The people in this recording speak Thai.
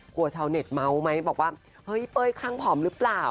หัวชาวเน็ตเม้าไหมบอกว่าเฮ้ยเเป้ยคลั่งผอมหรือเปล่า